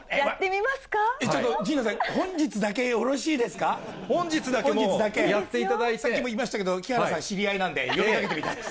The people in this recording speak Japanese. ちょっと陣内さん、本日だけ本日だけ、もうやっていたださっきも言いましたけど、木原さん、知り合いなんで、呼びかけてみたいです。